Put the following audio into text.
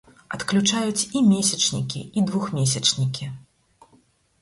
Адключаюць і месячнікі, і двухмесячнікі.